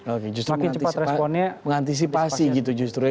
oke justru mengantisipasi gitu justru ya